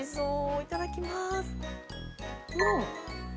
いただきます。